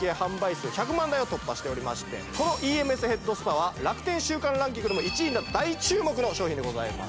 数１００万台を突破しておりましてこのＥＭＳヘッドスパは楽天週間ランキングでも１位になった大注目の商品でございます